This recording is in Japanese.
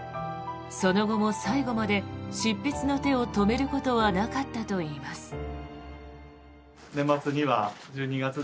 その後も最後まで執筆の手を止めることはなかったといいます。